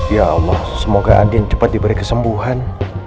ya allah semoga andien cepet diberi kesembuhan